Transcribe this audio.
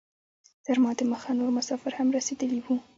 تر ما دمخه نور مسافر هم رسیدلي وو.